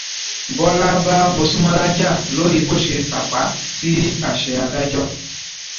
Bọ́lá bá Mosúnmọ́lá jà lórí bó ṣe tàpá sí àṣẹ adájọ́